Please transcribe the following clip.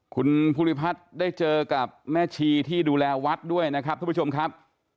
คุณภูริพัฒน์ได้เจอกับแม่ชีที่ดูแลวัดด้วยนะครับทุกผู้ชมครับ